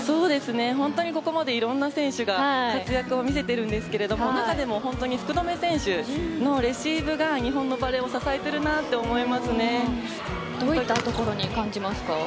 本当に、ここまでいろんな選手が活躍を見せているんですけれども中でも本当に福留選手のレシーブが日本のバレーをどういったところに感じますか。